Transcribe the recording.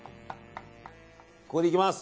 これでいきます！